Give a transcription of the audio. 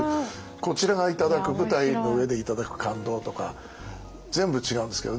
こちらが頂く舞台の上で頂く感動とか全部違うんですけど。